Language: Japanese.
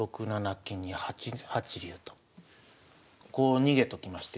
金に８八竜とこう逃げときまして。